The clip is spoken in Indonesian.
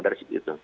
dari segi itu